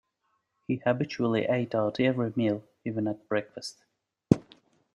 He habitually ate out every meal, even at breakfast.